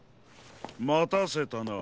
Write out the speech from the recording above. またせたな。